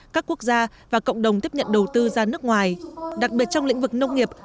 các quốc gia và cộng đồng tiếp nhận đầu tư ra nước ngoài đặc biệt trong lĩnh vực nông nghiệp